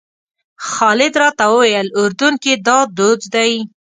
خالد راته وویل اردن کې دا دود دی.